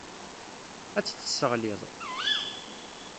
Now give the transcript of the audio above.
Ad tt-tesseɣliḍ.